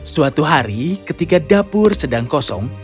suatu hari ketika dapur sedang kosong